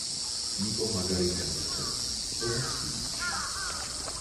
ნიკო მაგარი ფეხბურთელია ოღონდ სიზმარში